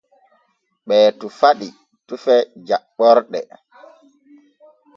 Ɓee tufa ɗi tufe jaɓɓorɗe.